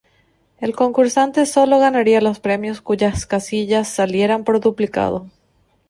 El concursante sólo ganaría los premios cuyas casillas salieran por duplicado.